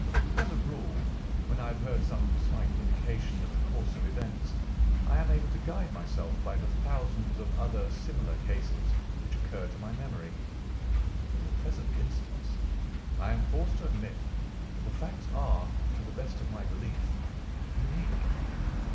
As a rule, when I have heard some slight indication of the course of events, I am able to guide myself by the thousands of other similar cases which occur to my memory. In the present instance I am forced to admit that the facts are, to the best of my belief, unique."